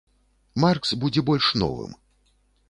Маркс будзе больш новым.